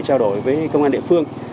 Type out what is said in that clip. trao đổi với công an địa phương